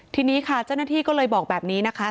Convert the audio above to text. ทีนี้ค่ะเจ้าหน้าที่ก็เลยบอกแบบนี้นะคะ